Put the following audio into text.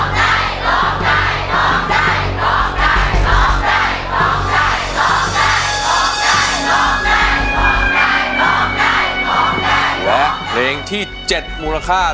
ของข้าของข้า